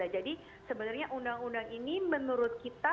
jadi sebenarnya undang undang ini menurut kita